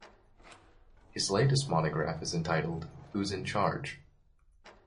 His latest monograph is entitled Who's in Charge?